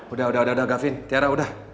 udah udah udah gafin tiara udah